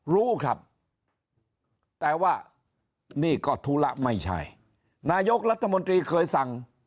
รู้ครับแต่ว่านี่ก็ธุระไม่ใช่นายกรัฐมนตรีเคยสั่ง